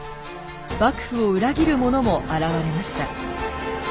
幕府を裏切る者も現れました。